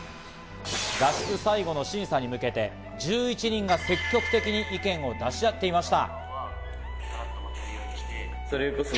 合宿最後の審査に向けて１１人が積極的に意見を出し合っていました。